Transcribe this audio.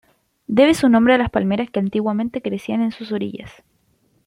Debe su nombre a las palmeras que antiguamente crecían en sus orillas.